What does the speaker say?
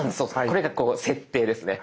これが設定ですね。